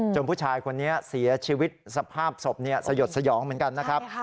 ผู้ชายคนนี้เสียชีวิตสภาพศพสยดสยองเหมือนกันนะครับ